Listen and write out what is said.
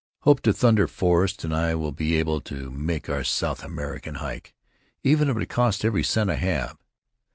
Hope to thunder Forrest and I will be able to make our South American hike, even if it costs every cent I have.